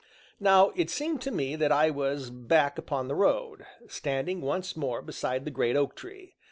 Now it seemed to me that I was back upon the road, standing once more beside the great oak tree.